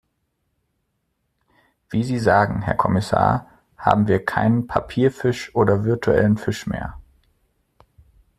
Wie Sie sagen, Herr Kommissar, haben wir keinen "Papierfisch" oder virtuellen Fisch mehr.